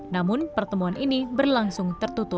namun pertemuan ini berlangsung tertutup